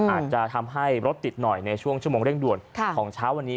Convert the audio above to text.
อาจจะทำให้รถติดหน่อยในช่วงชั่วโมงเร่งด่วนของเช้าวันนี้